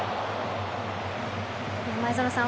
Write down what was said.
前園さん